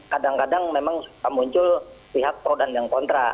kadang kadang memang muncul pihak pro dan yang kontra